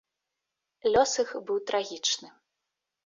Лёс іх быў трагічны.